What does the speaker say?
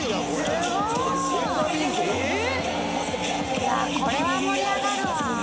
いやこれは盛り上がるわ。